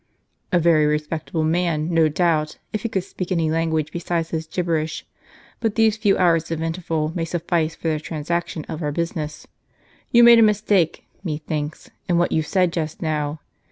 " A very respectable man, no doubt, if he could speak any language besides his gibberish ; but these few hours of inter val may suffice for the transaction of our business. You made a mistake, methinks, in what you said just now.